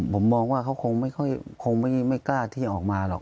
ผมมองว่าเขาคงไม่กล้าที่จะออกมาหรอก